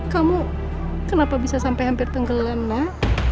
kamu kenapa bisa sampai hampir tenggelam nak